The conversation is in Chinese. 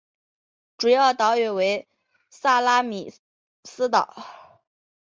主要岛屿为萨拉米斯岛。